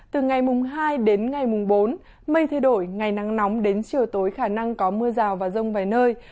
từ ngày mùng hai đến ngày mùng bốn mây thay đổi ngày nắng nóng đến chiều tối khả năng có mưa rào và rông vài nơi